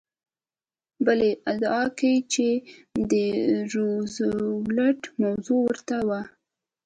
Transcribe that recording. بلې ادعا کې د روزولټ موضوع ورته وه.